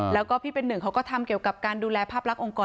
แล้วก็พี่เป็นหนึ่งเขาก็ทำเกี่ยวกับการดูแลภาพลักษ์คร